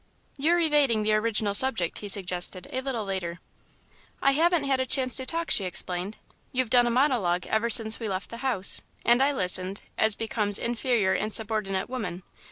"You're evading the original subject," he suggested, a little later. "I haven't had a chance to talk," she explained. "You've done a monologue ever since we left the house, and I listened, as becomes inferior and subordinate woman.